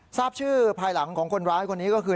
ทราบชื่อภายหลังของคนร้ายคนนี้ก็คือ